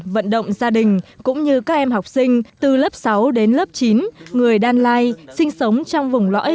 vận động gia đình cũng như các em học sinh từ lớp sáu đến lớp chín người đan lai sinh sống trong vùng lõi